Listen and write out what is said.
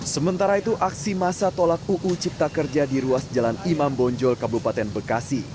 sementara itu aksi masa tolak uu cipta kerja di ruas jalan imam bonjol kabupaten bekasi